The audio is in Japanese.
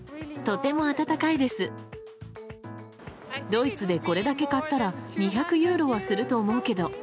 ドイツでこれだけ買ったら２００ユーロはすると思うけど。